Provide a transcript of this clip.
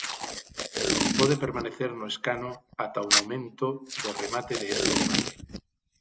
Pode permanecer no escano ata o momento de remate deste debate.